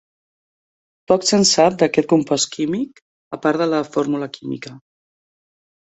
Poc se'n sap d'aquest compost químic, a part de la fórmula química.